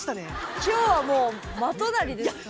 今日はもう真隣ですから。